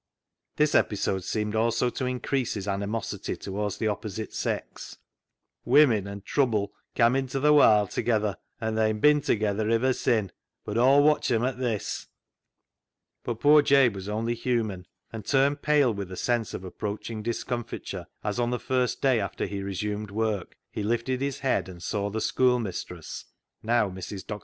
This episode seemed also to increase his ani mosity towards the opposite sex. " Women an' trubbel cam' into th' warld together, an' they'n bin together ivver sin' ; bud Aw'll watch 'em at this." But poor Jabe was only human, and turned pale with a sense of approaching discomfiture as on the first day after he resumed work he lifted his head and saw the schoolmistress (now Mrs. Dr.